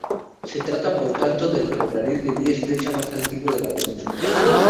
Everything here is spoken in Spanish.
Se trata por tanto, del ferrocarril de vía estrecha más antiguo de la península.